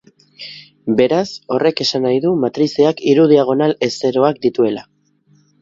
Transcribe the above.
Beraz, horrek esan nahi du matrizeak hiru diagonal ez-zeroak dituela.